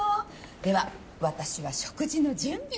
では私は食事の準備を。